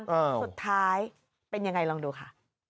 สุดท้ายเป็นยังไงลองดูค่ะ